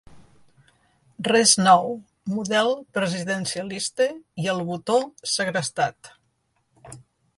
Res nou, model presidencialista i "el botó" segrestat.